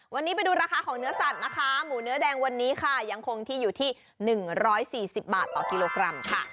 วันนี้ไปดูราคาของเนื้อสัตว์นะคะหมูเนื้อแดงวันนี้ค่ะยังคงที่อยู่ที่๑๔๐บาทต่อกิโลกรัมค่ะ